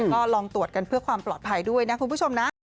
ก็ลองตรวจกันเพื่อความปลอดภัยด้วยนะคุณผู้ชมนะ